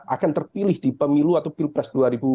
akan terpilih di pemilu atau pilpres